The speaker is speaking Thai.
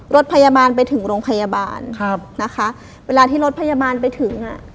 รถพยาบาลไปถึงโรงพยาบาลครับนะคะเวลาที่รถพยาบาลไปถึงอ่ะ